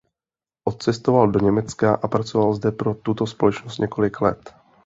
Odcestoval do Německa a pracoval zde pro tuto společnost několik let.